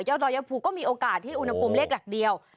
ดอยภูก็มีโอกาสที่อุณหภูมิเลขหลักเดียว